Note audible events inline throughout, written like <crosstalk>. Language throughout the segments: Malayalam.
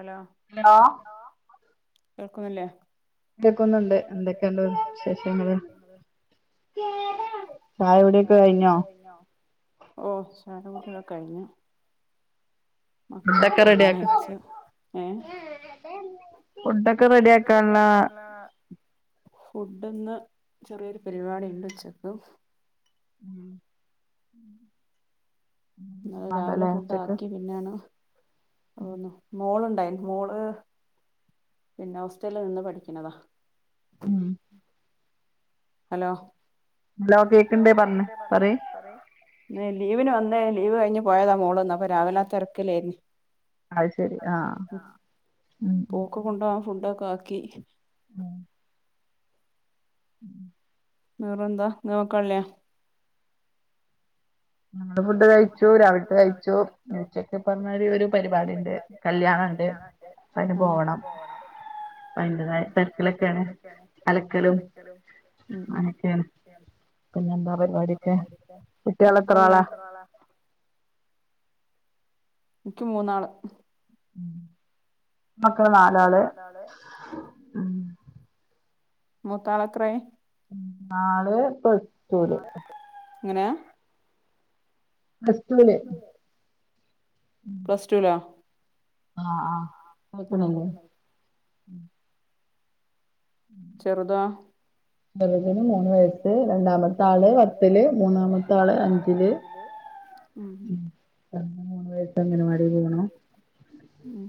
അലോ. ലോ. <unintelligible> ലോ കേൾക്കുന്നില്ലേ. കേക്കുന്നുണ്ട്. എന്തൊക്കെണ്ട് വിശേഷങ്ങള്. ചായുടിയൊക്കെ കയ്ഞ്ഞോ? ഓ ചായകുടിയൊക്കെ കയ്ഞ്ഞു. <unintelligible> മക്കളെ പർഞ്ഞേച്ച് ഏ. ഫുഡൊക്കെ റെഡിയാ ക്കാൻള്ള. ഫുഡ്ഡ്ന്ന് ചെറിയൊര് പരിവാടിണ്ട് ഉച്ചക്ക്. ഉം. <inaudible> ഇന്നലെ രാവിലെ ഫുഡ് ആക്കി പിന്നേണ് <unintelligible> മോള്ണ്ടയിന്. മോള് പിന്നെ ഹോസ്റ്റലിൽ നിന്ന് പഠിക്ക്ണതാ. ഉം. ഹലോ ഹലോ കേക്ക്ണ്ട് പറഞ്ഞ് പറീ ലീവിന് വന്നേ ലീവ് കഴിഞ്ഞ് പോയതാ മോള്ന്ന് അപ്പൊ രാവിലാത്തെരക്കിലേയിര്ന്ന് ഇപ്പം ഒക്ക് കൊണ്ടോവാൻ ഫുഡൊക്കെ ആക്കി ഉം ഉം വേറെന്താ നോക്കണ്ല്ലെ ഞങ്ങൾ ഫുഡ് കഴിച്ചു രവിൽത്തെ കഴ്ച്ചു ഞ്ഞ് ഉച്ചക്ക് പറഞ്ഞാതിരി ഒരു പരിപാടി ഉണ്ട് കല്യാണണ്ട് ആ അതിന്റെതായ തരക്കിലൊക്കെയാണ് അലക്കലും അങ്ങനെയൊക്കെയാണ് മക്കള്ല്ലേ എനിക്ക് മൂന്നാള് മക്കള് നാലാള് മുത്താളെത്രേ ന്നാള് ഇപ്പ് എങ്ങനേ പ്ലസ്റ്റൂല് പ്ലസ്റ്റൂലോ ആഹ ആഹ് കേക്ക്ണ്ട് ചെറ്തോ ചെറിയേതിന് മൂന്ന് വയസ്സ് രണ്ടാമത്താള് പത്തില് മൂന്നാമത്താള് അഞ്ചില് ഉം അവന് മൂന്ന് വയസ്സ് അംഗൻവാടിയിൽ പോണു ഉം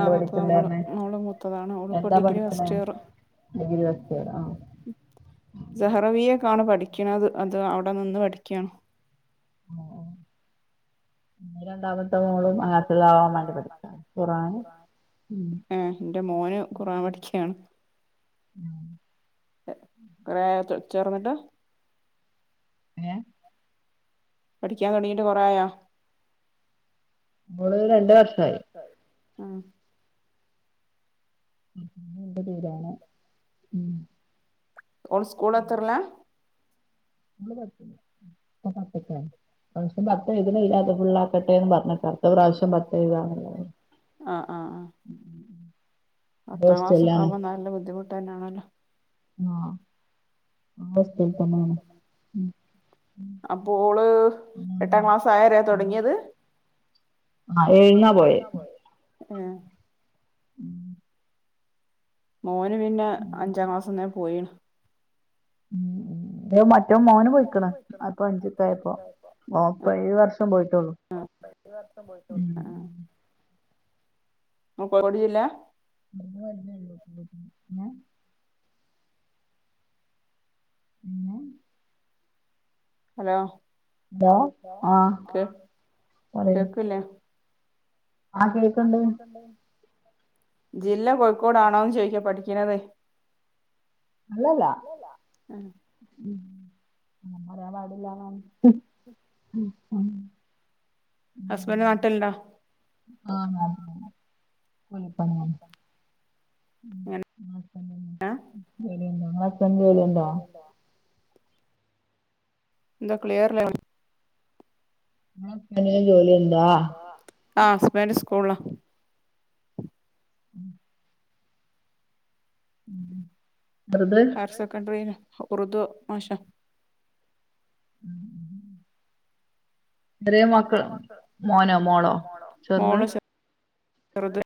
ആ മൂത്തത മോള് മോള് മൂത്തതാ പ്പതാണ് ഓളിപ്പോ ഡിഗ്രി ഫസ്റ്റ് ഇയർ ഡിഗ്രി പഠ്ച്ചേ ആഹ് സഹ്റവിയെക്കണാണ് പഠിക്കണത് അത് അവിടെ നിന്ന് പഠിക്കയാണ് രണ്ടാമത്തെ മോളും ഹാഫിളാവാൻവാണ്ടി പഠിക്ക ഖുർആന് ഇന്റെ മോന് ഖുർഹാൻ പഠിക്കണ് ഉം എറ <unintelligible> ചേർന്നിട്ട ഏഹ് പഠിക്കാൻ തുണങ്ങിട്ട് കൊറേഅയോ ഒള് രണ്ടു വർഷയി ഉം ഞ്ഞുണ്ട് തീരാന് ഉം ഒള് സ്കൂൾ എത്രറല ഓൾ പത്ത്ൽ പ്പം പത്ത്ക്കായി ഈ പ്രാവശ്യം പത്ത് എഴുത്ണ് ഇല്ലാതെ ഫുൾ ആക്കട്ടെ എന്ന് പറഞ്ഞ്ട്ട് അടുത്ത പ്രാവശ്യം പത്ത് എഴുതാംള്ളത് ആഹ് ആഹ് ആഹ് പത്താം ക്ലാസ് ഒക്കെ ആകുമ്പോ നല്ല ബുദ്ധിമുട്ട് തന്നെയാണല്ലോ ആഹ് ആ സ്ഥല്ത്ത്ന്നാണ് അപ്പോള് എട്ടാം ക്ലാസ്യയര തുടങ്ങിയത് ആ ഏഴ്ന്നാ പോയ ഉം ഉം മോന് പിന്നെ അഞ്ചാം ക്ലാസ്ന്നേ പോയിണ് ഉം ഉം ഇൻ്റെ മറ്റേ മോന് പോയിക്ക്ണ് ആഹ് ഇപ്പൊ അഞ്ചക്ക് ആയപ്പോ ഓ അപ്പൊ ഈ വർഷം പോയിട്ടേള്ളൂ കഴിഞ്ഞ വർഷം പോയിട്ടൊള്ളു അഹ് ആഹ് മലപ്പൊറം ജില്ലേ <unintelligible> <unintelligible> ന്നെ ഹലോ ലോ കേ കേക്ക്ല്യേ ജില്ല കോഴിക്കോടാണോന്ന് ചോയിക്ക പഠിക്ക്ണതേ അല്ലല്ല പറയാൻ പാടില്ലാന്നാണ്. <inaudible> <inaudible> ഹസ്ബൻഡ് നാട്ട്ല്ല്ണ്ടോ ആഹ് നാട്ടിലാണ് കൂലിപ്പണിയാണ് ഉം <unintelligible> തന്നെ ഇങ്ങളെ ഹസ്ബൻഡ് വ്ടെണ്ടാ <unintelligible> ക്ളിയർ <inaudible> ഇങ്ങളെ ഹസ്ബന്റിന്റെ ജോലി എന്താ ആഹ് ഹസ്ബൻഡ് സ്കൂളാ. ഹയർ സെക്കഡറില് ഉർദു ഭാഷ ഉം ഉം. ചെറിയെ മോൾക് മോനോ മോളോ മോള് <unintelligible> ചെറുത്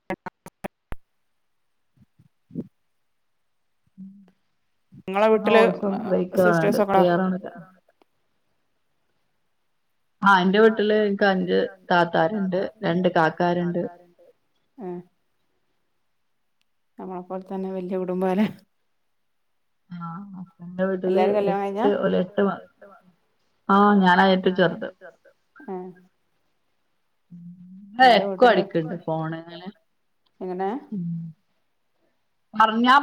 ഇങ്ങളെ വോയിസും ബ്രേക്കാവ്ണ്ണ്ട് ക്ലിയറാവണില്ല. ആഹ് ന്റെ വീട്ടില് ഇൻക്ക് അഞ്ച് താത്താര്ണ്ട് രണ്ട് കാക്കാര്ണ്ട്. ഏഹ് ഞമ്മളെ പോലെ തന്നെ വല്ല്യ കുടുംബാലേ ആഹ് ഹസ്ബന്റെ വീട്ടില് എട്ട് ഓലെട്ട് മ ആഹ് ഞാന ഏറ്റും ചെറുത്. ഏ ന്ന് എക്കോ അടിക്കണ്ട് ഫോണ്ങ്ങനെ.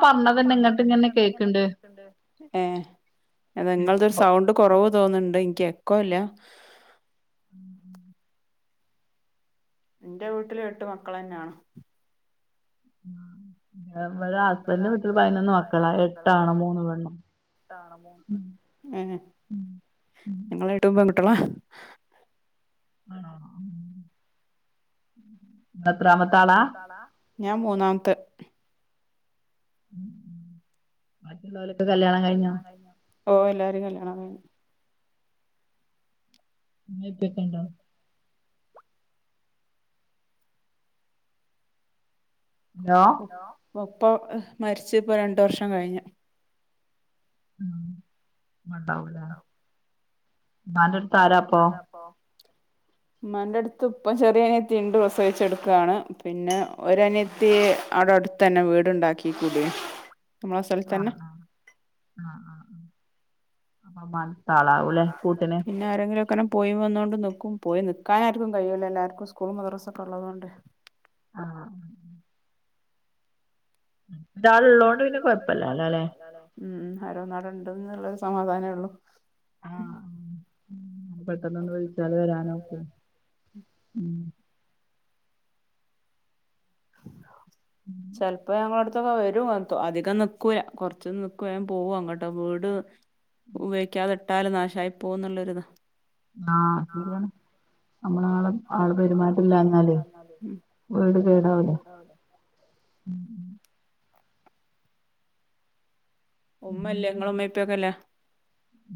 പറഞ്ഞാ പറഞ്ഞതെന്നെങ്ങട്ട് ഇങ്ങനെ കേക്ക്ണ്ട്. ഏഹ് ഇങ്ങൾക് ഒരു സൗണ്ട് കൊറവ് തോന്ന്ണ്ട് ഇനിക്കി എക്കോല്ല്യാ <inaudible> ന്റെ വീട്ടില് എട്ട് മക്കളെന്നാണ്. ആഹ് ഇവടെ ഹസ്ബൻൻ്റെ വീട്ടില് പതിനൊന്ന് മക്കളാ എട്ടാണും മൂന്ന് പെണ്ണും. ഏ ഇങ്ങളെട്ടും പെങ്കുട്ട്യളാ? ആണോ ഉം. ങ്ങള് എത്രാമത്തെ ആളാ ഞാൻ മൂന്നാമ്ത്തെ. <inaudible> ബാക്കിള്ളോലൊക്കെ കല്യാണം കല്യാണം കഴിഞ്ഞോ ഓ എല്ലാരീം കല്യാണം കഴിഞ്ഞ്. ഇമ്മീ ഇപ്പീക്കെണ്ടോ ലോ ഹലോ, ഉപ്പ മരിച്ച്പ്പോ രണ്ട് വർഷം കഴിഞ്ഞ്. ഉം മ്മണ്ടാവൂലേ മ്മാന്റെടുത്ത് ആരാപ്പോ ഇമ്മാൻ്റെടുത്ത് ഇപ്പം ചെറിയ അനിയത്തിണ്ട് പ്രസവിച്ചെടുക്കാണ് പിന്നെ ഒരനിയത്തി അവിടടുത്തെന്നെ വീടുണ്ടാക്കി കൂടിയാ അമ്മളെ സ്ഥലത്തെന്നെ. ആഹ് ആഹ് ആഹ് അപ്പൊ മ <inaudible> പിന്നാരെങ്കിലൊക്കെങ്ങനെ പോയി വന്നോണ്ട് നിക്കും പോയി നിക്കാനാർക്കും കയ്യൂല്ല എല്ലാർക്കും സ്കൂളും മദ്രസ്സൊക്കള്ളതോണ്ട്. ആഹ് ഉം ഉം. ണ്ടാള് ള്ളോണ്ട് പിന്നെ കൊഴപ്പല്ലാല്ലോ ലേ. ഉം ഉം ആരോന്നാട്ണ്ട്ന്ന്ള്ളൊരു സമാധാനേള്ളൂ. ഉം പെട്ടന്ന് ഒന്ന് വിളിച്ചാല് വരാനോക്കേ ഉം. ചെൽപ്പോ ഞങ്ങളട് ഇപ്പ വെരുവോ യെന്തോ അധികം നിക്കൂലാ കൊറെച്ച് നിക്കു <unintelligible> വീട്. ഉപയോഗിക്കാതെ ഇട്ടാല് നാശായി പ്പോകുന്നൊള്ളൊരിത്. ന്നാ ശെരിയാണ് നമ്മളാളും ആള് പെരുമാറ്റല്ലാഞ്ഞാല് വീട് കേടാവൂല്ലോ. ഉമ്മേല്ലേ നിങ്ങളെ യുമ്മ യുപ്പക്കെല്ലേ.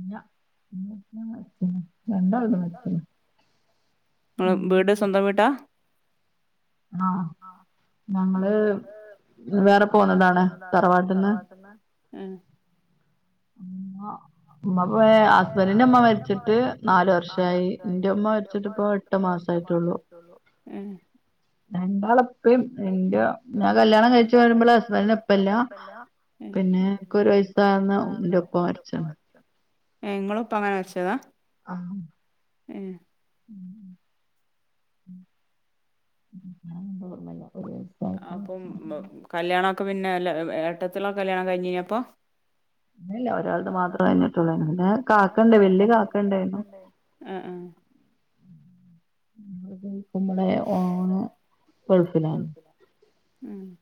ഞ്ഞ <unintelligible> വീട് സ്വന്തം വീട്ടാ? ആഹ് നമ്മള് വേറെ പോണതാണ് തറവാട്ടിന്ന് ഏഹ് ങ്ങ ഉമ്മ പോയി ഹസ്ബഡിന്റെ മ്മ മരിച്ചിട്ട് നാലു വർഷായി. എന്റെ ഉമ്മ മരിച്ചിട്ടിപ്പോ എ ഇപ്പ എട്ട് മാസായിട്ടൊള്ളൂ. ഏ ഹ് രണ്ടാളെ ഇപ്പി ഇന്റെ ഞാൻ കല്യാണം കഴിച്ചു വരുമ്പോളേ ഹസ്ബൻഡിന് പ്പല്ല പിന്നെ ക്ക് ഒരു വയസ്സാകുന്ന എന്റെ പ്പ മരിച്ചന്ന്. ങ്ങളും പ്പ അങ്ങനെ വെച്ചതാ? ആഹ് <unintelligible> ആപ്പം കല്യാണക്കെ പിന്നെയല്ല ഏട്ടത്തിളെ കല്യാണം കഴിഞ്ഞ് നപ്പം. ഒന്നുല്ല ഒരാൾത് മാത്രേ കഴ് ഞ്ഞിട്ടൊള്ളേയ്ന്നു. പിന്നെ കാക്കണ്ട്. വല്യ കാക്കണ്ടേയ്ന്നു. ആഹ് ആഹ് <unintelligible> <unintelligible> മ്മടെ ഓണ് ഗൾഫിലാണ്.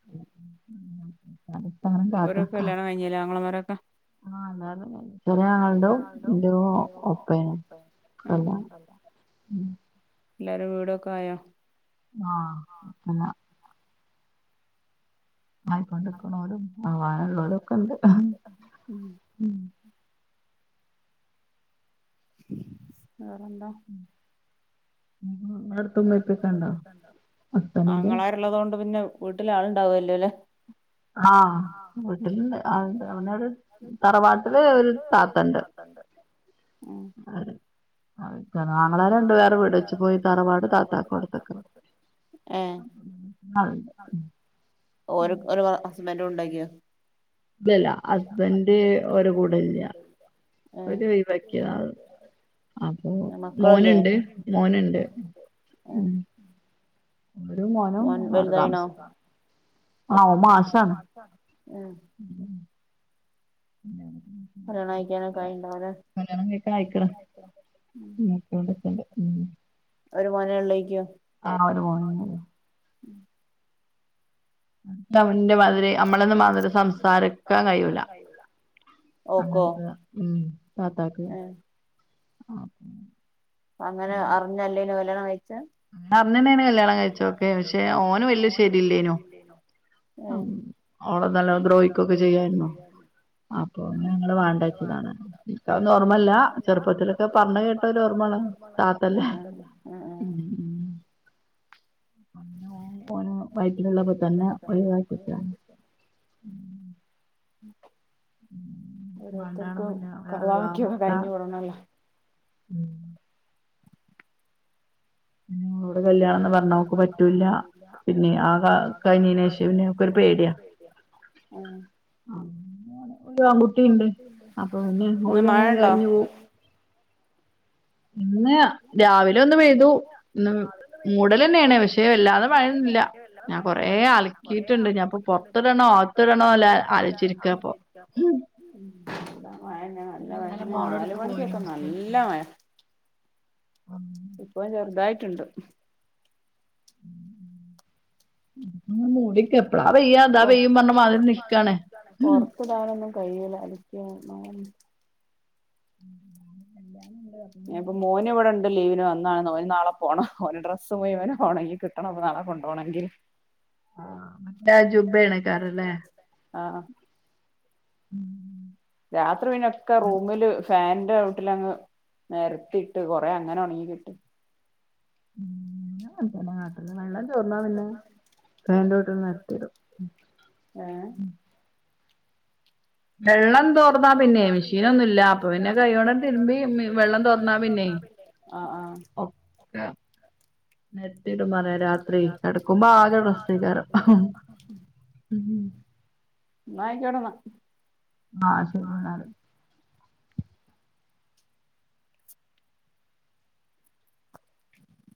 <unintelligible> ഓരെക്ക് കല്യാണം കഴിഞ്ഞിലേ ആങ്ങളെമാരൊക്കെ. ആഹ് എല്ലാർടെയും കഴിഞ്ഞ്. ചെറ്യായാൾടെ <unintelligible> ഒപ്പേനേ. <unintelligible> ഉമ് എല്ലാരും വീടൊക്കെ ആയോ? ആഹ് അപ്പതാ. ആയിക്കൊണ്ട് ക്ക്ണോരും ആവാന് ള്ളോലു ഒക്ക ണ്ട്. വേറെന്താ? <unintelligible> ഉള്ളതുകൊണ്ട് പിന്നെ വീട്ടിൽ ആൾണ്ടാകെല്ലല്ലോ ആഹ് വീട്ടിൽണ്ട്. <unintelligible> അവട ഒരു തറവാട്ടില് ഒരു താത്തൊണ്ട്. അഹ് ആങ്ങള മാര് രണ്ടുപേർ വീടെച്ചു പോയി. തറവാട് കാക്കാക്ക് ക്കൊടുത്തേക്കന്ന്. <unintelligible> ഓരിക്ക് ഓരോ ഹസ്ബെൻഡുണ്ടാക്കിയോ? ഇതെല്ല. ഹസ്ബെന്റ് ഓര ക്കൂടെല്ല. ഓര് <unintelligible> വെയ്ക്കാ അപ്പോ മോൻ ണ്ട് മോൻ ണ്ട് ഉമ് ഇവരും മോനും ആടെ താമസിക്കും ആ ഓൻ മാഷാണ് ഏഹ് <unintelligible> പിന്നെ അവര് കല്യാണം കഴിക്കാനൊക്കെ ആയിണ്ടാവുല്ലേ നിക്കൊടക്കണ്ട് ഉമ് ഒരു മോനേയുള്ളെയ്ക്ക്? ആഹ് ഒര് മോനേന്നെയുള്ളൂ. <unintelligible> മാതിരി നമ്മെളൊന്നും മാതിരി സംസാരിക്കാൻ കഴിയൂല. അങ്ങന് ത്തത ഉം താത്താക്ക് അഹ് അ അങ്ങനെ അറിഞ്ഞല്ലേനി കല്യാണം കഴിച്ച? അന്ന്ന്നൊണ് കല്യാണം കഴിച്ചക്കെ പക്ഷെ ഓന് വലിയെ ശെരി ഇല്ലെനു ഓളെ നല്ലോം ദ്രോഹിക്കൊക്കെ ചെയ്യായിരുന്നോ? അപ്പൊ ഞങ്ങള് വാണ്ടച്ചതാണ് എനിക്കതെന്നും ഓർമ്മല്ല ചെറുപ്പത്തിലൊക്കെ പറഞ്ഞ കേട്ട ഓർമാണ് ഉം ഉ ഉം ഉ. ഉം ഉം <unintelligible> ഓൻ വയറ്റലുള്ളപ്പത്തന്നെ ഒഴിവാക്കിച്ചാ <inaudible> ഓരോരുത്ർക്കും കളാഹാക്കി കഴിഞ്ഞ് കൂടണ ല്ലോ <inaudible> ഓളൊട് കല്യാണം ന്ന് പറഞ്ഞ ഓൾക്ക് പറ്റൂല. പിന്നെ ആക കഴിഞ്ഞ <unintelligible> ആ ഒരു ആൺകുട്ടിയുണ്ട് അപ്പൊ പിന്നെ ഓല് അങ്ങനെ കഴിഞ്ഞു പോവും. ഇല്ല രാവിലെ ഒന്ന് പെയ്തു. മൂടൽന്നെണ് പക്ഷെ വല്ലാതെ മഴന്നുല്ല ഞാൻ കൊറെ ആളി. ഒണകീറ്റ്ണ്ട് ഞാൻപ്പൊ പൊർത്ത്ടണോ ആകത്തിടണോ ആലോഴ്ച്ചിരിക്ക പ്പോ ഇടാ മഴന്ന നല്ല മഴന്ന് നാല മണിക്കൊക്കെ നല്ല മഴ ഉം. ഇപ്പ ചെറുതായിട്ടുണ്ട്. മൂടി നിക്ക. എപ്പളാ പെയ അതാ പെയ മാരി നിക്കാണ്. <unintelligible> കഴിയൂല <unintelligible> കല്യാണം ഉ ഞാനൻപ്പോ മോന് ഇവിടെണ്ട് ലീവിന് വന്നാണ്. ഓന് നാളെ പോണം. ഓന് ഡ്രസ്സ് മുഴുവൻ ഒണങ്ങി കിട്ട <unintelligible> നാള കൊണ്ടണെങ്കിൽ. ആ മറ്റേ ജുബയണ്ക്കാറല്ലേ ആഹ. രാത്രി പിന്നെക്കെ റൂമില് ഫാനിന്റെ ചോട്ടിൽഅങ്ങ്. നിരത്തിട്ട് കൊറെേ അങ്ങനെ ഉണങ്ങി കിട്ടി. ഞാനും അങ്ങനെതെന്നെ കാട്ടൽ വെള്ളം ചോർന്ന പിന്നെ ഫാന്റെ ചോട്ടിൽ നിർത്തി ഇടും. ഏഹ്. വെള്ളം തോർന്നാ പിന്നെ ക്ഷീണ ന്നുല്ല അപ്പൊ പിന്നെ കഴിയോണ്ടന്നെ തിരുമ്പി ഇ വെള്ളം തോർന്നാ പിന്നെ. ആ ആ. <unintelligible> നേരത്തി ഇടും പറി രാത്രി കിടക്കുമ്പോ ആകെ ഡ്രസ്സ്‌ കാരം. ഉമ് ന്നാ ആയ്കോട്ടെന്ന. ആഹ് ശരിന്നാൽ.